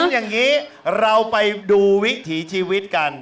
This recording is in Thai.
อย่างนี้เราไปดูวิถีชีวิตกัน